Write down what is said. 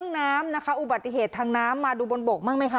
น้ำนะคะอุบัติเหตุทางน้ำมาดูบนบกบ้างไหมคะ